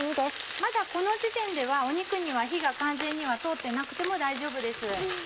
まだこの時点では肉には火が完全には通ってなくても大丈夫です。